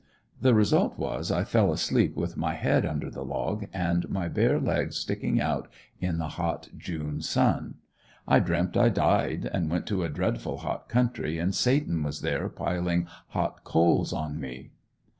The result was I fell asleep with my head under the log and my bare legs sticking out in the hot June sun. I dreamt I died and went to a dreadful hot country and Satan was there piling hot coals on me.